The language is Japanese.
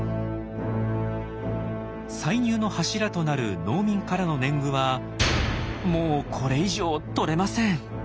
歳入の柱となる農民からの年貢はもうこれ以上とれません。